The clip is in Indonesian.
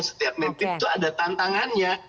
setiap mimpi itu ada tantangannya